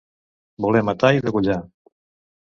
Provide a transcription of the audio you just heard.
Voler matar i degollar.